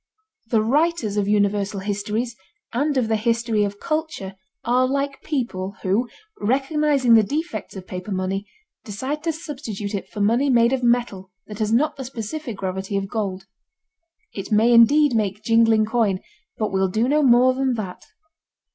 The writers of universal histories and of the history of culture are like people who, recognizing the defects of paper money, decide to substitute for it money made of metal that has not the specific gravity of gold. It may indeed make jingling coin, but will do no more than that.